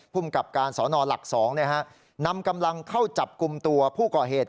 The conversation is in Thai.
ผู้กับการสอนอหลัก๒เนี่ยฮะนำกำลังเข้าจับกลุ่มตัวผู้ก่อเหตุ